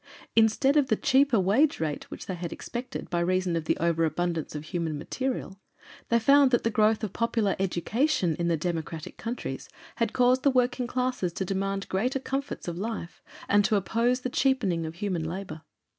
Instead of the cheaper wage rate which they had expected by reason of the over abundance of human material, they found that the growth of popular education in the democratic countries had caused the working classes to demand greater comforts of life, and to oppose the cheapening of human labor.